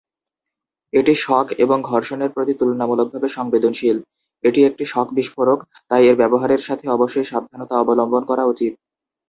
এটি শক এবং ঘর্ষণের প্রতি তুলনামূলকভাবে সংবেদনশীল; এটি একটি শক বিস্ফোরক তাই এর ব্যবহারের সাথে অবশ্যই সাবধানতা অবলম্বন করা উচিত।